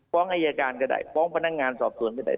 ฟ้องไอ้อาจารย์ก็ได้ฟ้องพนักงานสอบสวนก็ได้